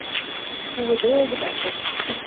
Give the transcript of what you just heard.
Пуыде огыда керт.